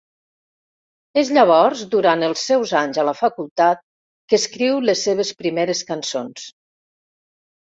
És llavors, durant els seus anys a la facultat, que escriu les seves primeres cançons.